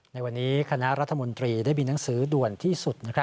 ในวันนี้คณะรัฐมนตรีได้มีหนังสือด่วนที่สุด